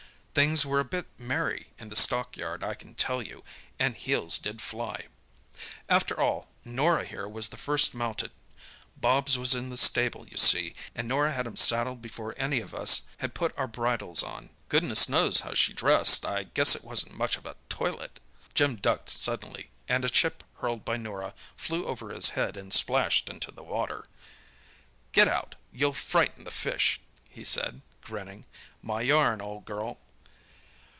Things were a bit merry in the stockyard, I can tell you, and heels did fly. "After all, Norah here was the first mounted. Bobs was in the stable, you see, and Norah had him saddled before any of us had put our bridles on. Goodness knows how she dressed. I guess it wasn't much of a toilet!" Jim ducked suddenly, and a chip hurled by Norah flew over his head and splashed into the water. "Get out—you'll frighten the fish!" he said, grinning. "My yarn, old girl."